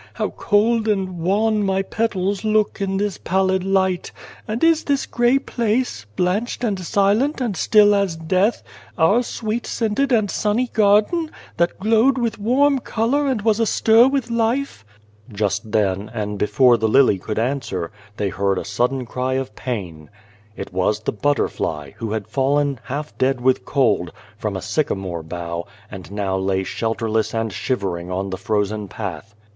How cold and wan my petals look in this pallid light ! And is this grey place blanched and silent and still as death our sweet scented and sunny garden, that glowed with warm colour and was astir with life ?" Just then, and before the lily could answer, they heard a sudden cry of pain. It was the butterfly, who had fallen, half dead with cold, from a sycamore bough, and now lay shelterless and shivering on the frozen path.